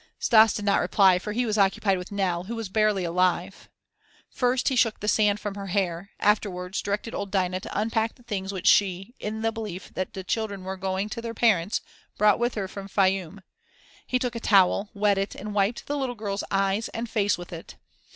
Stas did not reply for he was occupied with Nell, who was barely alive. First he shook the sand from her hair, afterwards directed old Dinah to unpack the things which she, in the belief that the children were going to their parents, brought with her from Fayûm. He took a towel, wet it, and wiped the little girl's eyes and face with it.